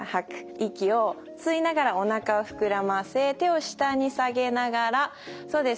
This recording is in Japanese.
息を吸いながらおなかを膨らませ手を下に下げながらそうです